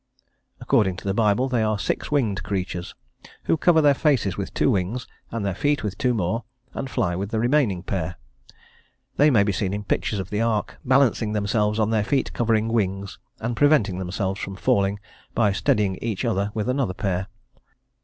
According to the Bible, they are six winged creatures, who cover their faces with two wings, and their feet with two more, and fly with the remaining pair: they may be seen in pictures of the ark, balancing themselves on their feet covering wings, and preventing themselves from falling by steadying each other with another pair.